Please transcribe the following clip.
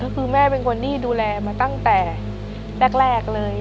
ก็คือแม่เป็นคนที่ดูแลมาตั้งแต่แรกเลย